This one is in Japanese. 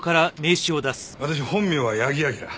私本名は矢木明。